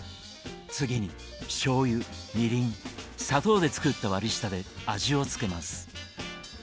次にしょうゆみりん砂糖で作った割り下で味を付けます。